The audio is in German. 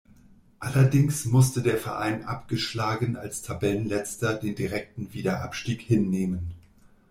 Allerdings musste der Verein abgeschlagen als Tabellenletzter den direkten Wiederabstieg hinnehmen.